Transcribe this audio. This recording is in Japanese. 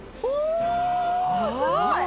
おすごい！